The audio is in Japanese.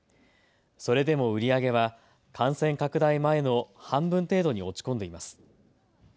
それでも売り上げは感染拡大前の半分程度に落ち込んでいます。